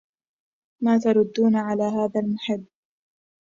ما تردون على هذا المحب